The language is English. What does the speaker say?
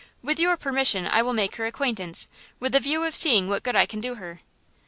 With your permission I will make her acquaintance, with the view of seeing what good I can do her."